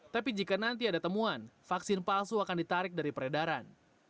tapi jika nanti ada temuan vaksin palsu akan ditarik dari peredaran